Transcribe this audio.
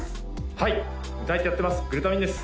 はい歌い手やってますぐるたみんです